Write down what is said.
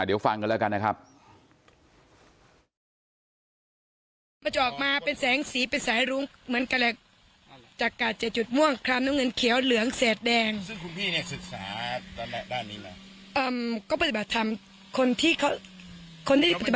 เดี๋ยวฟังกันแล้วกันนะครับ